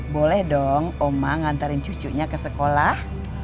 boleh dong omang ngantarin cucunya ke sekolah